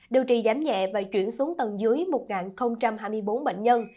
điều trị giảm nhẹ và chuyển xuống tầng dưới một hai mươi bốn bệnh nhân